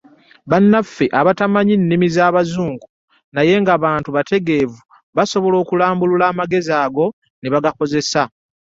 Bannaffe abatamanyi nnimi z’Abazungu naye nga bantu bategeevu basobola okulambulula amagezi ago ne bagakozesa.